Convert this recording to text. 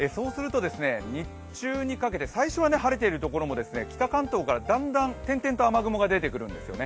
日中にかけて、最初は晴れているところも、北関東からだんだん点々と雨雲が出てくるんですよね。